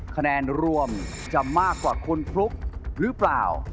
คะแนนรวมจะมากกว่าคุณฟลุ๊กหรือเปล่า